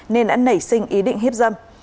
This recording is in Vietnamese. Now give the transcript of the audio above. nên đã nảy sinh ý định hiếp dâm